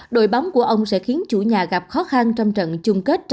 đội bóng của ông sẽ khiến chủ nhà gặp khó khăn trong trận chung kết